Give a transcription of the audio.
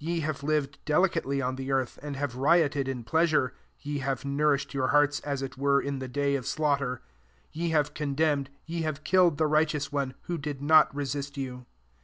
5 Ye have lived delicately on the earth, and have rioted in pleasure ; ye have nourished your hearts, as it were in the day of slaughter. 6 Ye have condemned, ye have killed the Righteous One, who did not resist you.